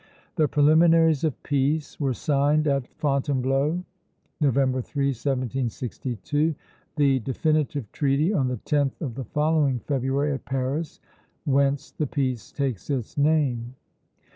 The preliminaries of peace were signed at Fontainebleau, November 3, 1762; the definitive treaty on the 10th of the following February, at Paris, whence the peace takes its name.